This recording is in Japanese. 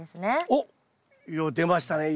よっ出ましたね。